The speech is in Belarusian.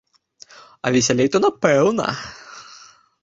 А весялей то напэўна.